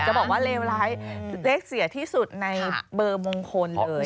จะบอกว่าเลวร้ายเลขเสียที่สุดในเบอร์มงคลเลย